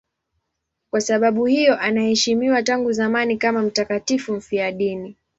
Kwa sababu hiyo anaheshimiwa tangu zamani kama mtakatifu mfiadini.